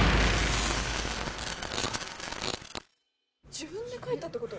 自分で書いたってこと？